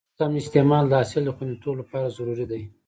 د اوبو سم استعمال د حاصل خوندیتوب لپاره ضروري دی.